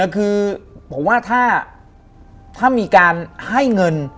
คือผมว่าถ้ามีการให้เงิน